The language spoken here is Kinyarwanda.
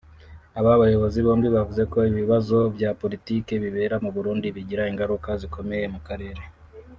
Aba bayobozi bombi bavuze ko ibibazo bya Politike bibera mu Burundi bigira ingaruka zikomeye mu karere